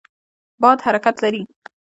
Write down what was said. باد حرکت لري.